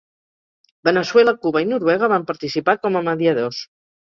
Veneçuela, Cuba i Noruega van participar com a mediadors.